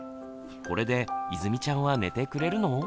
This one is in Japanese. これでいずみちゃんは寝てくれるの？